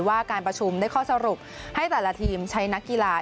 ว่าการประชุมได้ข้อสรุปให้แต่ละทีมใช้นักกีฬา